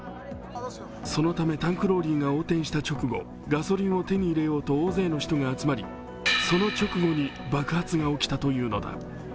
そのためタンクローリーが横転した直後ガソリンを手に入れようと大勢の人が集まり、その直後にその直後に爆発が起きたというのだ。